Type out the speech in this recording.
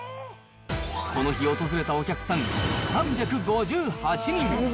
この日、訪れたお客さん、３５８人。